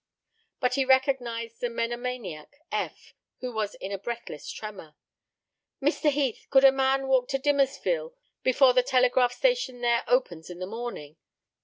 But he recognized the monomaniac, Eph, who was in a breathless tremor. "Mr. Heath, could a man walk to Dimmersville before the telegraph station there opens in the morning?"